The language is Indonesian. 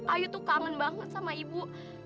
ayu tuh kangen banget sama ibu